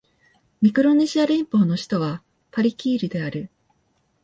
ミクロネシア連邦の首都はパリキールである